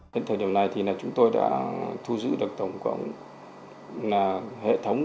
đến thời điểm này thì chúng tôi đã thu giữ được tổng cộng hệ thống